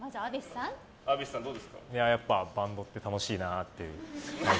やっぱバンドって楽しいなって。